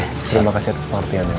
terima kasih atas pengertiannya